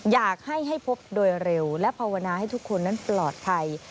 อยากให้ให้พบโดยเร็วและภาวนาให้ทุกคนนั้นปลอดภัย